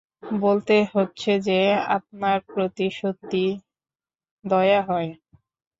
বলতে হচ্ছে যে, আপনার প্রতি সত্যি দয়া হয়।